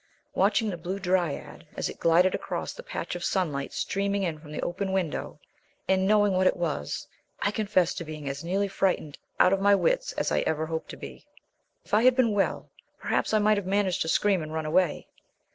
Watching the Blue Dryad as it glided across the patch of sunlight streaming in from the open window, and knowing what it was, I confess to being as nearly frightened out of my wits as I ever hope to be. If I had been well, perhaps I might have managed to scream and run away.